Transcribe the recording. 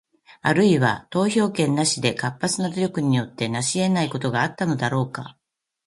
あるいは、投票権なしでの活発な努力によって成し得ないことがあったのだろうか？